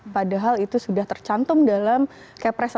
padahal itu sudah tercantum dalam kepres satu ratus sebelas dua ribu empat